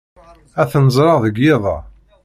Ad ten-ẓreɣ deg yiḍ-a.